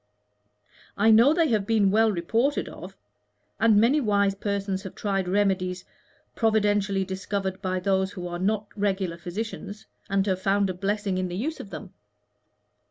"I know they have been well reported of, and many wise persons have tried remedies providentially discovered by those who are not regular physicians, and have found a blessing in the use of them.